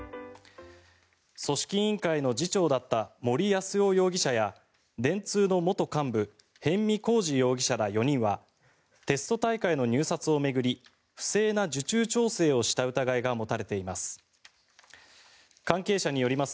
組織委員会の次長だった森泰夫容疑者や電通の元幹部逸見晃治容疑者ら４人はテスト大会の入札を巡り不正な受注調整をした疑いが持たれています。